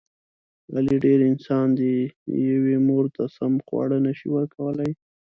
علي ډېر..... انسان دی. یوې مور ته سمه خواړه نشي ورکولی.